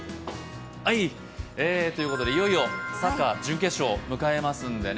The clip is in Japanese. はい、ということでいよいよサッカー、準決勝迎えますのでね